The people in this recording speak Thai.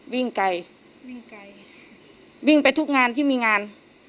วิ่งไกลวิ่งไกลวิ่งไปทุกงานที่มีงาน